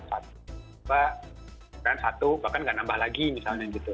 satu dua bahkan gak nambah lagi misalnya gitu